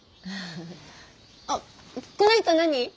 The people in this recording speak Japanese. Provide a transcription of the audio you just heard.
あっこの人何？